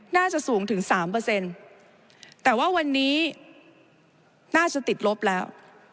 น่าจะสูงถึง๓แต่ว่าวันนี้น่าจะติดลบแล้ว